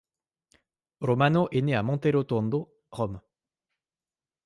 Romano est née à Monterotondo, Rome.